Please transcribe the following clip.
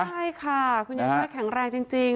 ใช่ค่ะคุณยายช่วยแข็งแรงจริง